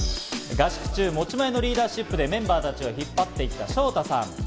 合宿中、持ち前のリーダーシップでメンバーたちを引っ張っていたＳＨＯＴＡさん。